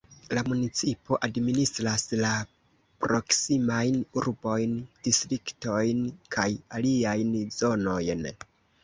La municipo administras la proksimajn urbojn, distriktojn kaj aliajn zonojn.